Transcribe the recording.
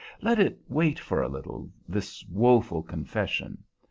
Let it wait for a little, this woeful confession.